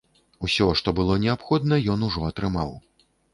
Усё, што было неабходна, ён ужо атрымаў.